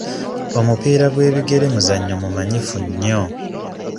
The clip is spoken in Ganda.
Omupiira gw'ebigere muzannyo mumanyifu nnyo.